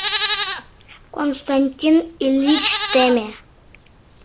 Константин Ильич, теме.